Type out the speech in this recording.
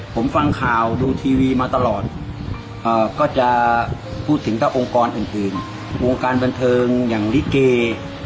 ผมฟังข่าวดูทีวีมาตลอดก็จะพูดถึงถ้าองค์กรอื่นวงการบันเทิงอย่างลิเก